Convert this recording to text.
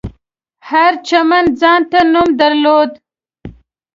هر چمن ځانته نوم درلود.